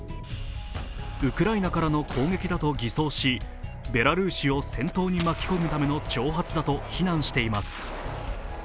ウクライナからの攻撃だと偽装しベラルーシを戦闘に巻き込むための挑発だと非難しています。